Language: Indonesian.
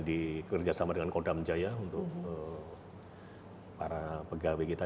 di kerjasama dengan kodam jaya untuk para pegawai kita